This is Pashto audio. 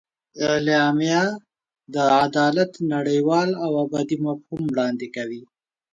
اعلامیه د عدالت نړیوال او ابدي مفهوم وړاندې کوي.